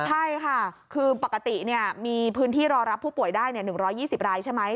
ใช่ค่ะคือปกติมีพื้นที่รอรับผู้ป่วยได้๑๒๐รายใช่ไหม